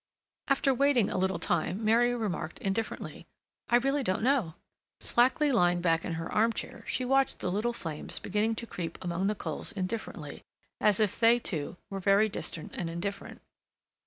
After waiting a little time Mary remarked indifferently: "I really don't know." Slackly lying back in her armchair, she watched the little flames beginning to creep among the coals indifferently, as if they, too, were very distant and indifferent.